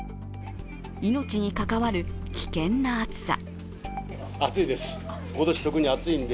命に関わる危険な暑さ。